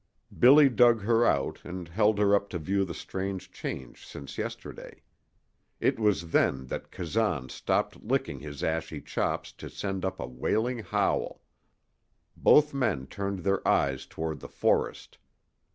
Billy dug her out and held her up to view the strange change since yesterday. It was then that Kazan stopped licking his ashy chops to send up a wailing howl. Both men turned their eyes toward the forest.